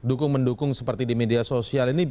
dukung mendukung seperti di media sosial ini